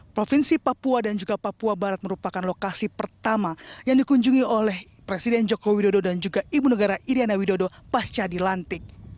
provinsi papua dan juga papua barat merupakan lokasi pertama yang dikunjungi oleh presiden joko widodo dan juga ibu negara iryana widodo pasca dilantik